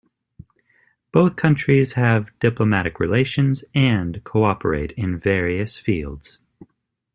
Both countries have diplomatic relations and cooperate in various fields.